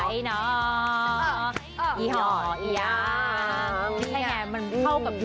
ยุคเข้ากับสมัย